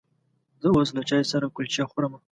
زه اوس له چای سره کلچې خورمه.